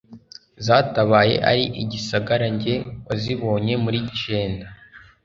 Zatabaye ari igisagara jye wazibonye muri jenda